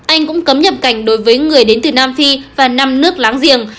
anh cũng cấm nhập cảnh đối với người đến từ nam phi và năm nước láng giềng